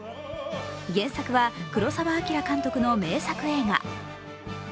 原作は黒澤明監督の名作映画。